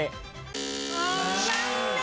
残念！